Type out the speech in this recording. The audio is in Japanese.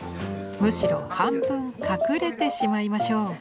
むしろ半分隠れてしまいましょう。